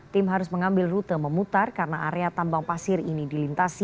tim harus mengambil rute memutar karena area tambang pasir ini dilintasi